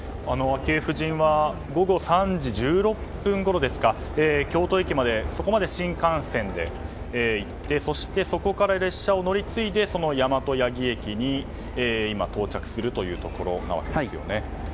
昭恵夫人は午後３時１６分ごろ京都駅までそこまで新幹線で行ってそしてそこから列車を乗り継いで大和八木駅に今、到着するというところなわけですよね。